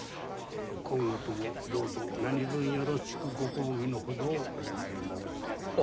今後ともどうぞなにぶんよろしくご厚誼のほどをお願い申し上げます。